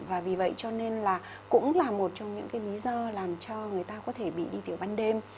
và vì vậy cho nên là cũng là một trong những cái lý do làm cho người ta có thể bị đi tiểu ban đêm